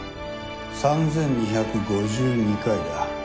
３２５２回だ。